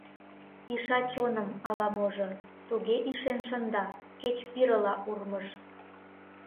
Иша чоным ала-можо, туге ишен шында — кеч пирыла урмыж.